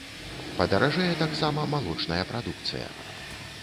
Падаражэе таксама малочная прадукцыя.